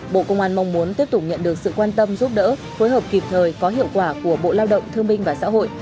bộ công an mong muốn tiếp tục nhận được sự quan tâm giúp đỡ phối hợp kịp thời có hiệu quả của bộ lao động thương minh và xã hội